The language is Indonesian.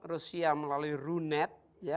rusia melalui runet